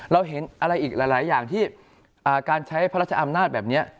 เราเห็นอะไรอีกหลายอย่างที่การใช้พระราชอำนาจแบบนี้